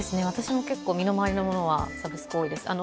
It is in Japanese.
私も結構、身の回りのものはサブスクが多いです。